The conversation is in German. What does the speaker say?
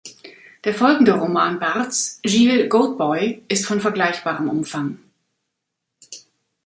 Der folgende Roman Barths, "Giles Goat-Boy", ist von vergleichbarem Umfang.